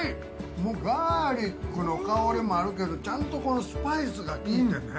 もうガーリックの香りもあるけどちゃんとスパイスが効いてね。